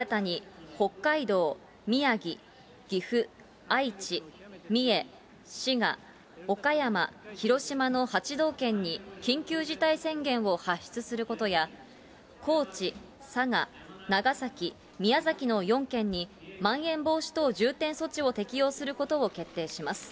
政府は午後６時から対策本部を開いて、新たに北海道、宮城、岐阜、愛知、三重、滋賀、岡山、広島の８道県に、緊急事態宣言を発出することや、高知、佐賀、長崎、宮崎の４県にまん延防止等重点措置を適用することを決定します。